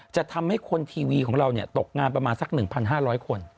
จะทำให้คนทีวีของเราตกงานประมาณสัก๑๕๐๐คน